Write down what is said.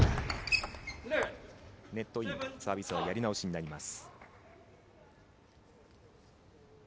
ネットイン、サービスはやり直しになります。